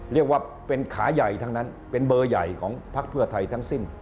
เรียกว่าเป็นขาใหญ่ทั้งนั้นเป็นเบอร์ใหญ่ของพักเพื่อไทยทั้งสิ้น